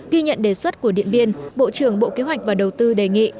ghi nhận đề xuất của điện biên bộ trưởng bộ kế hoạch và đầu tư đề nghị